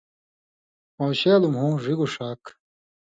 پون٘شېلوۡ مُھو، ڙِگوۡ ݜاک،